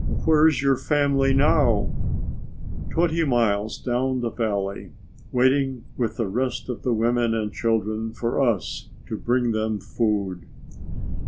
"Where's your family now?" "Twenty miles down the valley, waiting with the rest of the women and children for us to bring them food."